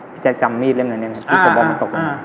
พี่แจ๊คจำมีดเล่มนั้นที่สมบัติมันตกลงมา